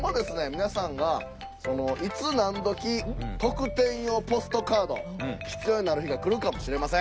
皆さんがいつなんどき特典用ポストカード必要になる日が来るかもしれません。